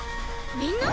みんな？